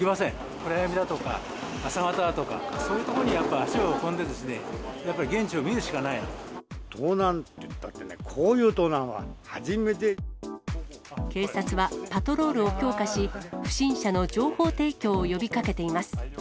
暗闇だとか、朝方だとかに、そういう所にやっぱ、足を運んでですね、やっぱり盗難っていったってね、警察はパトロールを強化し、不審者の情報提供を呼びかけています。